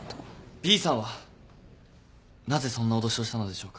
Ｂさんはなぜそんな脅しをしたのでしょうか？